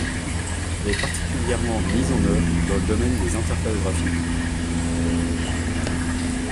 Elle est particulièrement mise en œuvre dans le domaine des interfaces graphiques.